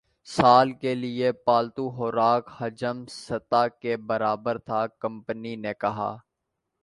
سال کے لیے پالتو خوراک حجم سطح کے برابر تھا کمپنی نے کہا